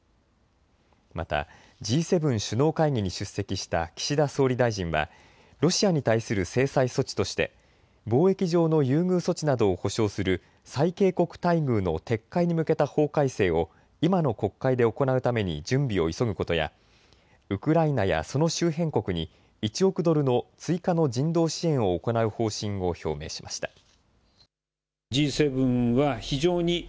またＧ７・首脳会議に出席した岸田総理大臣はロシアに対する制裁措置として貿易上の優遇措置などを保障する最恵国待遇の撤回に向けた法改正を今の国会で行うために準備を急ぐことやウクライナやその周辺国に１億ドルの追加の人道支援を行う方針を表明しました。